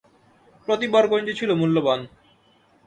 প্রতি বর্গ ইঞ্চি ছিল মূল্যবান।